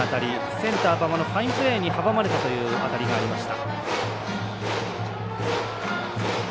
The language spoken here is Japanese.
センター馬場のファインプレーに阻まれたという当たりがありました。